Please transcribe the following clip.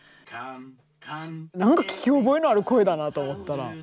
何か聞き覚えのある声だなと思ったら。